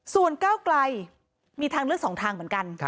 ส่วนก้าวไกลมีทางเลือก๒ทางเหมือนกัน